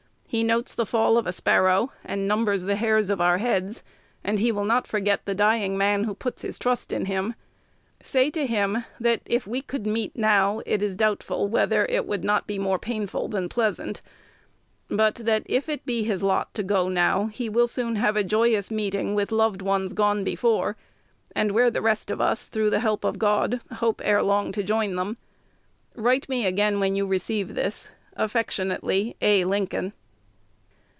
He notes the fall of a sparrow, and numbers the hairs of our heads; and he will not forget the dying man who puts his trust in him. Say to him, that, if we could meet now, it is doubtful whether it would not be more painful than pleasant; but that, if it be his lot to go now, he will soon have a joyous meeting with loved ones gone before, and where the rest of us, through the help of God, hope ere long to join them. Write me again when you receive this. Affectionately, A. Lincoln.